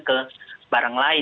ke barang lain